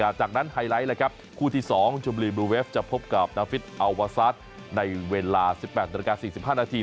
หลังจากนั้นไฮไลท์นะครับคู่ที่๒จุมลีนบลูเวฟจะพบกับนาฟิตเอาวาซาสในเวลา๑๘นาฬิกา๔๕นาที